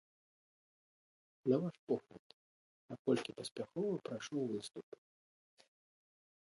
На ваш погляд, наколькі паспяхова прайшоў выступ?